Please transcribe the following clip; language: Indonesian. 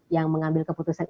yang mengambil keputusan